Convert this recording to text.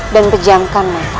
dan pejamkan mata